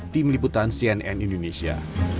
tim liputan cnn indonesia